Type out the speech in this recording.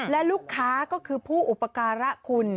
และลูกค้าก็คือผู้อุปการะคุณ